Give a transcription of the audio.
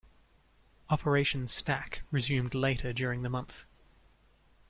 Operation Stack resumed later during the month.